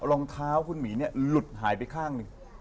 รองเท้าคุณหมีรถหายไปข้างหนึ่ง